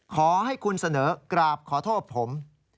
ขอให้คุณเสนอกราบขอโทษผม